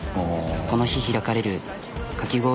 この日開かれるかき氷